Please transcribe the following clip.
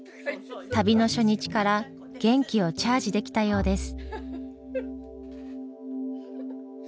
旅の初日から元気をチャージできたようです。